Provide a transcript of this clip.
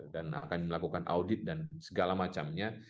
dan akan melakukan audit dan segala macamnya